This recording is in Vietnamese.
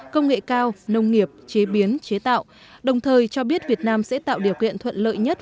công nghệ cao nông nghiệp chế biến chế tạo đồng thời cho biết việt nam sẽ tạo điều kiện thuận lợi nhất